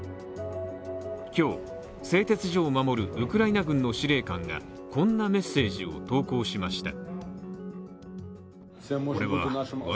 今日、製鉄所を守るウクライナ軍の司令官が、こんなメッセージを投稿しました。